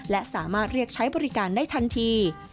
และสามารถเรียกใช้บริการได้ทันที